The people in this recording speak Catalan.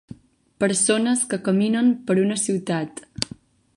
Persones que caminen per una ciutat.